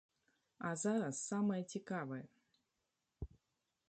А зараз самае цікавае!